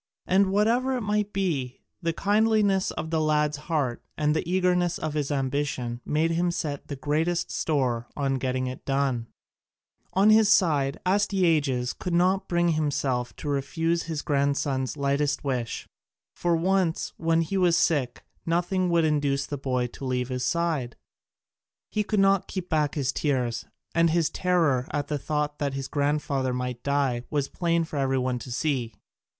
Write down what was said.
And whatever it might be, the kindliness of the lad's heart and the eagerness of his ambition made him set the greatest store on getting it done. On his side, Astyages could not bring himself to refuse his grandson's lightest wish. For once, when he was sick, nothing would induce the boy to leave his side; he could not keep back his tears, and his terror at the thought that his grandfather might die was plain for every one to see.